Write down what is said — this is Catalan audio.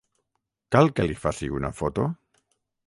Cal que li faci una foto?